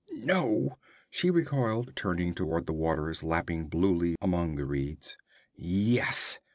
'No!' She recoiled, turning toward the waters lapping bluely among the reeds. 'Yes!'